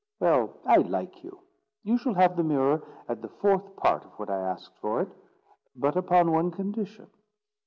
Well, I like you: you shall have the mirror at the fourth part of what I asked for it; but upon one condition."